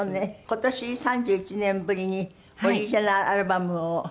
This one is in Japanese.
今年３１年ぶりにオリジナルアルバムを。